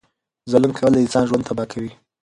ظلم کول د انسان ژوند تبا کوي.